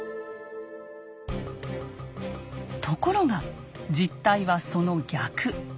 ところが実態はその逆。